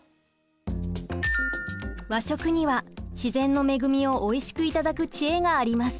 和食には自然の恵みをおいしく頂く知恵があります。